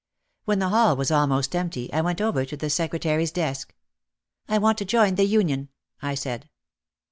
When the hall was almost empty I went over to the secretary's desk. "I want to join the union," I said.